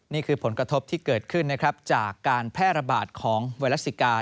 นี่คือผลกระทบที่เกิดขึ้นนะครับจากการแพร่ระบาดของไวรัสซิกา